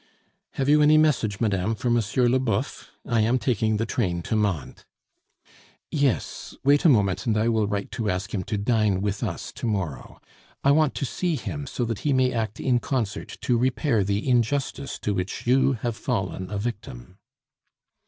"Have you any message, madame, for M. Leboeuf? I am taking the train to Mantes." "Yes. Wait a moment, and I will write to ask him to dine with us to morrow. I want to see him, so that he may act in concert to repair the injustice to which you have fallen a victim."